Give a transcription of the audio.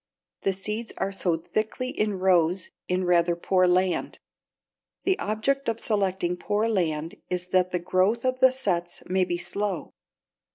The seeds are sowed thickly in rows in rather poor land. The object of selecting poor land is that the growth of the sets may be slow.